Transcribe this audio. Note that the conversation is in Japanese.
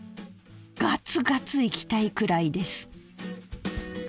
ガツガツいきたいくらいです。